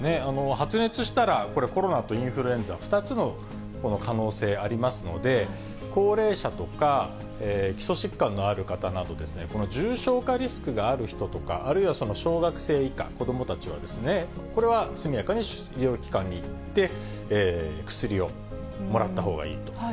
発熱したらこれ、コロナとインフルエンザ、２つの可能性ありますので、高齢者とか基礎疾患のある方など、重症化リスクがある人とか、あるいは小学生以下、子どもたちは、これは速やかに医療機関に行って、薬をもらったほうがいいと。